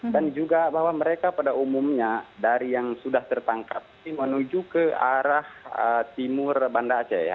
dan juga bahwa mereka pada umumnya dari yang sudah tertangkap menuju ke arah timur banda aceh